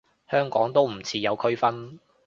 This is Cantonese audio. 香港都唔似有區分